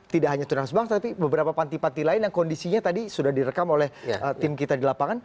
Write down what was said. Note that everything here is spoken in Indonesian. tidak hanya tunas bangsa tapi beberapa panti panti lain yang kondisinya tadi sudah direkam oleh tim kita di lapangan